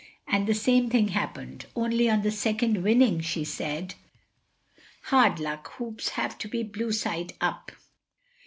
And the same thing happened. Only on the second winning she said: "Hard luck. Hoops have to be blue side up."